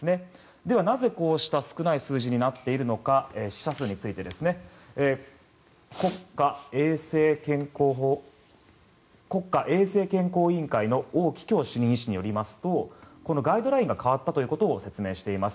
ではなぜ、こうした少ない数字になっているのか死者数について国家衛生健康委員会のオウ・キキョウ主任医師によりますとこのガイドラインが変わったということを説明しています。